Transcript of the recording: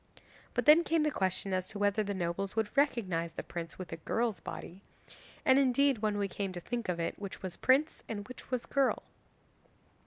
But then came the question as to whether the nobles would recognise the prince with a girl's body, and indeed, when we came to think of it, which was prince and which was girl?